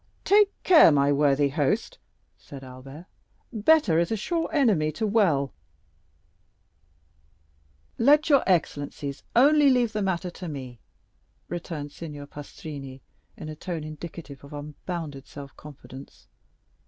"Take care, my worthy host," said Albert, "better is a sure enemy to well." "Let your excellencies only leave the matter to me," returned Signor Pastrini in a tone indicative of unbounded self confidence.